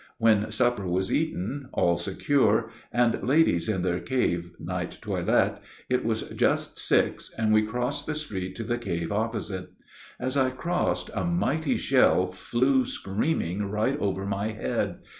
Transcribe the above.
When supper was eaten, all secure, and ladies in their cave night toilet, it was just six, and we crossed the street to the cave opposite. As I crossed a mighty shell flew screaming right over my head.